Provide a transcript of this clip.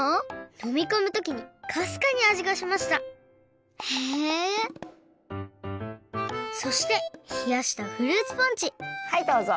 のみこむときにかすかにあじがしましたへえそしてひやしたフルーツポンチはいどうぞ。